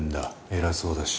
偉そうだし。